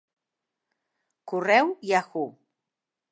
Correu, Yahoo!